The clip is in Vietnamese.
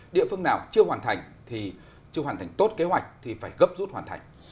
địa phương nào chưa hoàn thành thì chưa hoàn thành tốt kế hoạch thì phải gấp rút hoàn thành